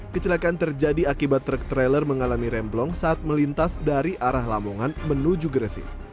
kecelakaan terjadi akibat truk trailer mengalami remblong saat melintas dari arah lamongan menuju gresik